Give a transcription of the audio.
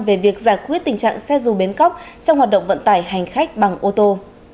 về việc giải quyết tình trạng xe dù bến cóc trong hoạt động vận tải hành khách bằng ô tô